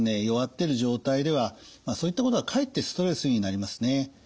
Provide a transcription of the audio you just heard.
弱ってる状態ではそういったことはかえってストレスになりますね。